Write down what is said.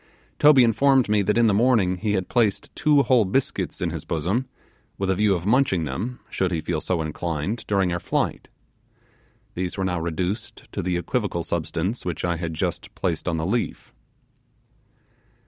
Toby informed me that in the morning he had placed two whole biscuits in his bosom, with a view of munching them, should he feel so inclined, during our flight. These were now reduced to the equivocal substance which I had just placed on the leaf.